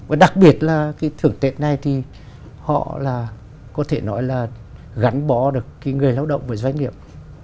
và đặc biệt là cái thưởng tệ này thì họ là có thể nói là gắn bó được cái người lao động với doanh nghiệp